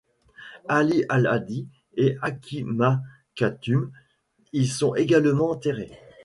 Ali al-Hadi et Hakimah Khatun y sont également enterrés.